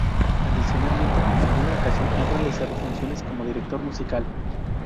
Adicionalmente, en alguna ocasión ha realizado funciones como director musical.